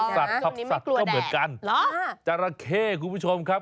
สัตว์ครับสัตว์ก็เหมือนกันจราเข้คุณผู้ชมครับ